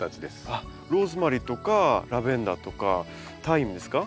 あっローズマリーとかラベンダーとかタイムですか？